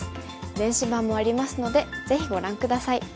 電子版もありますのでぜひご覧下さい。